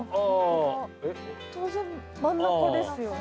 当然真ん中ですよね？